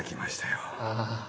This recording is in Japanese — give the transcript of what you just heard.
ああ。